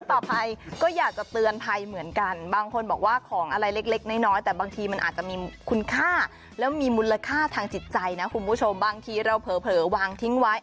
ต่อไปก็อยากจะเตือนภัยเหมือนกันบางคนบอกว่าของอะไรเล็กน้อยแต่บางทีมันอาจจะมีคุณค่าแล้วมีมูลค่าทางจิตใจนะคุณผู้ชมบางทีเราเผลอวางทิ้งไว้